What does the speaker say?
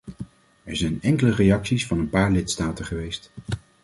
Er zijn enkele reacties van een paar lidstaten geweest.